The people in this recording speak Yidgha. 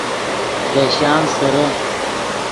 دے شام سیرے